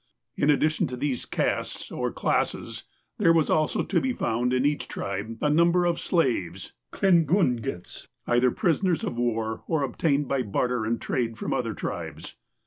In addition to these castes or classes, there was also to be found in each tribe a number of slaves (kligungits) either prisoners of war, or obtained by barter and trade from other tribes.